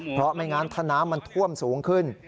เพราะไม่งั้นถ้าน้ำมันท่วมสูงขึ้น